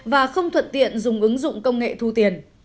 và không thuận tiện dùng ứng dụng công nghệ thu tiền